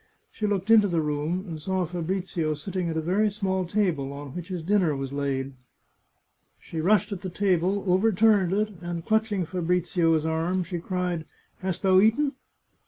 She looked into the room and saw Fabrizio sitting at a very small table, on which his dinner was laid. She rushed at the 469 The Chartreuse of Parma table, overturned it, and, clutching Fabrizio's arm, she cried, "Hast thou eaten?"